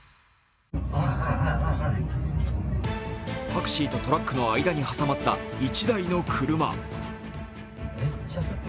タクシーとトラックの間に挟まった１台の車。